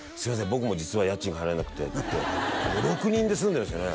僕も実は家賃が払えなくてって５６人で住んでましたね